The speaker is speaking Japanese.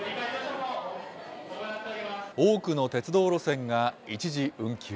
多くの鉄道路線が一時運休。